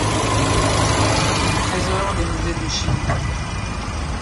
Trésors des musées de Chine.